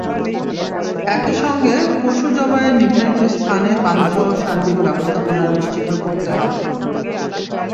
একই সঙ্গে পশু জবাইয়ের নির্ধারিত স্থানে পানিসহ সার্বিক ব্যবস্থাপনা নিশ্চিত করতে হবে।